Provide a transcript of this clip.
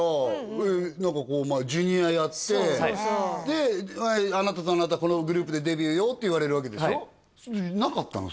そこからで「あなたとあなたこのグループでデビューよ」って言われるわけでしょなかったの？